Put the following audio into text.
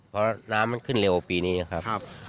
เพราะน้ำมันขึ้นเร็วปีนี้ครับ